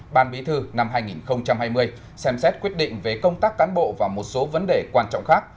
ban bí thư năm hai nghìn hai mươi xem xét quyết định về công tác cán bộ và một số vấn đề quan trọng khác